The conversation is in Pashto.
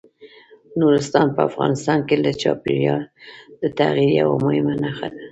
نورستان په افغانستان کې د چاپېریال د تغیر یوه مهمه نښه ده.